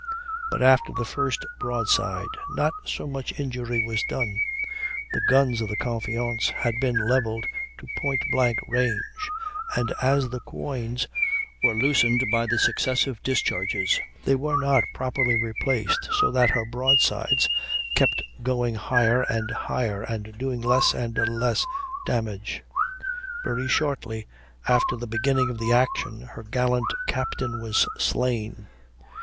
But after the first broadside not so much injury was done; the guns of the Confiance had been levelled to point blank range, and as the quoins were loosened by the successive discharges they were not properly replaced, so that her broadsides kept going higher and higher and doing less and less damage. Very shortly after the beginning of the action her gallant captain was slain.